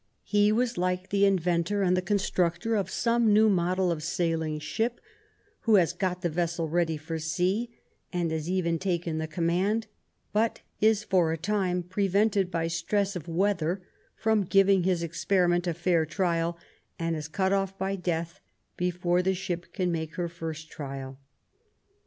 He was like the inventor and the con structor of some new model of sailing ship who has got the vessel ready for sea and has even taken the command, but is for a time prevented by stress of weather from giving his experiment a fair trial and is cut off by death before the ship can make her first trial.